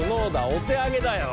お手上げだよ！